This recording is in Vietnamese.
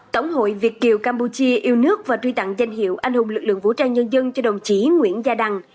tổng hội việt kiều campuchia yêu nước và truy tặng danh hiệu anh hùng lực lượng vũ trang nhân dân cho đồng chí nguyễn gia đằng